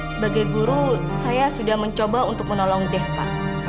sebagai guru saya sudah mencoba untuk menolong deh pak